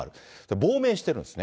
亡命してるんですね。